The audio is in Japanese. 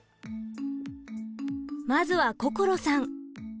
まずはこころさん。